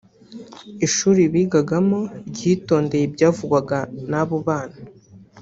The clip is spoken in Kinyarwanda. ishuri bigagamo ryitondeye ibyavugwaga n’abo bana